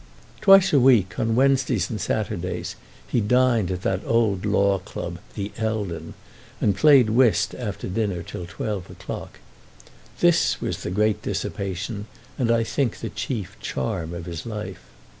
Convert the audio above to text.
Twice a week, on Wednesdays and Saturdays, he dined at that old law club, the Eldon, and played whist after dinner till twelve o'clock. This was the great dissipation and, I think, the chief charm of his life.